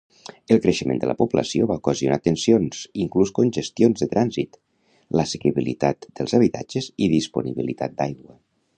El creixement de la població va ocasionar tensions, inclús congestions de trànsit, l'assequibilitat dels habitatges i disponibilitat d'aigua.